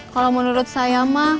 kalau menurut saya emak